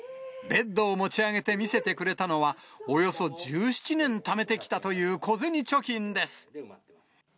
ベッドを持ち上げて見せてくれたのは、およそ１７年ためてきたという小銭貯金です。